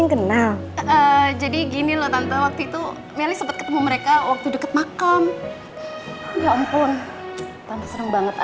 kan ini mau ditutup